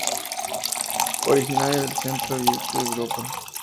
Originaria del centro y este de Europa.